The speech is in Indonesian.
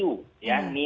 tokoh agama penting ya